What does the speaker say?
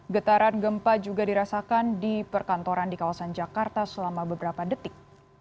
getaran gempa juga dirasakan di perkantoran di kawasan jakarta selama beberapa detik